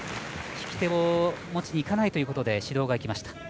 引き手を持ちにいかないということで指導となりました。